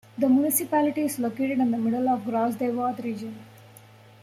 The municipality is located in the middle of the Gros-de-Vaud region.